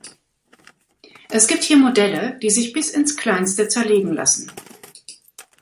Es gibt hier Modelle, die sich bis ins kleinste zerlegen lassen.